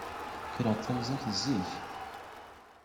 Kkreɣ-d tanzayt zik.